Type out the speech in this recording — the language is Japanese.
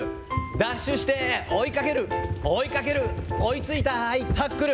ダッシュして追いかける、追いかける、追いついた、はい、タックル。